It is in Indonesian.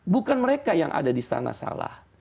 bukan mereka yang ada di sana salah